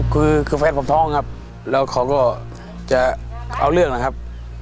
คือคือแฟนผมท้องครับแล้วเขาก็จะเอาเรื่องนะครับ